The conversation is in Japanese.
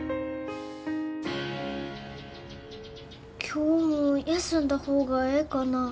今日も休んだ方がええかな？